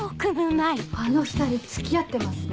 あの２人付き合ってますね。